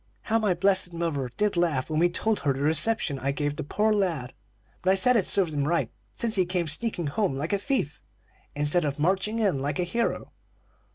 How my blessed mother did laugh, when we told her the reception I gave the poor lad! But I said it served him right, since he came sneaking home like a thief, instead of marching in like a hero.